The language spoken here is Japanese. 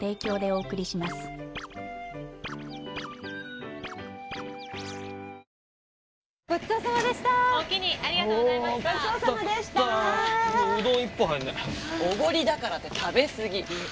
おごりだからって食べ過ぎ。